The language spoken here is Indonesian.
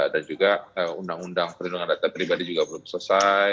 dan juga undang undang penyelenggaraan data pribadi juga belum selesai